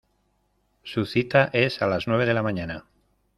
Su cita es a las nueve de la mañana.